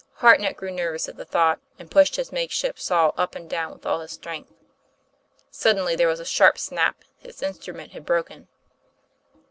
Hartnett grew nervous at the thought, and pushed his makeshift saw up and down with all his strength. Suddenly there was a sharp snap his instrument had broken.